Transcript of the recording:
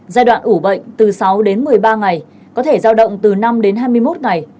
giai đoạn ủ bệnh từ sáu đến một mươi ba ngày có thể giao động từ năm đến hai mươi một ngày